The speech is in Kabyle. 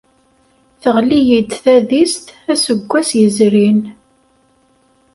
Teɣli-iyi-d tadist aseggas yezrin.